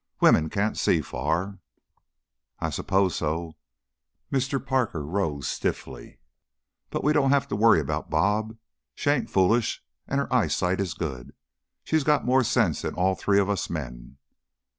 Women can't see far." "I s'pose so." Mr. Parker rose stiffly. "But we don't have to worry about 'Bob.' She ain't foolish and her eyesight is good. She's got more sense than all three of us men."